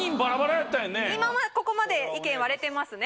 ここまでは意見割れてますね。